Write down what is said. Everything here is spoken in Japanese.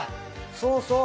そうそう。